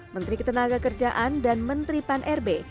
menteri ketenaga kerjaan dan menteri pan rb